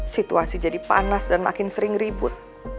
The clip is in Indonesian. situasi jadi panas dan makin sering ribut